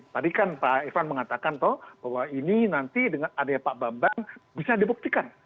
tadi kan pak ivan mengatakan bahwa ini nanti dengan adanya pak bambang bisa dibuktikan